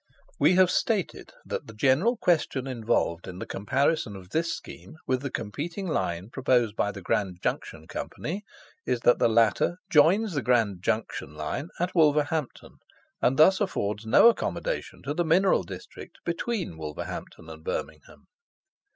We have stated that the general question involved in the comparison of this scheme with the competing line proposed by the Grand Junction Company is, that the latter joins the Grand Junction line at Wolverhampton, and thus affords no accommodation to the mineral district between Wolverhampton and Birmingham.